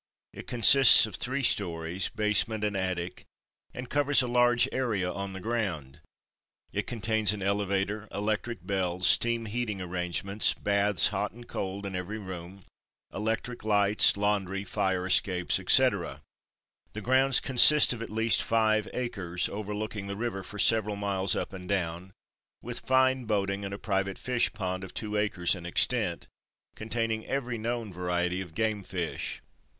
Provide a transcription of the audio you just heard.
It consists of three stories, basement and attic, and covers a large area on the ground. It contains an elevator, electric bells, steam heating arrangements, baths, hot and cold, in every room, electric lights, laundry, fire escapes, etc. The grounds consist of at least five acres, overlooking the river for several miles up and down, with fine boating and a private fish pond of two acres in extent, containing every known variety of game fish.